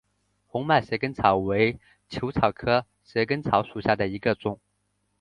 红脉蛇根草为茜草科蛇根草属下的一个种。